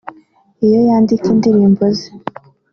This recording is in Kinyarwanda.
Iyo yandika indirimbo ze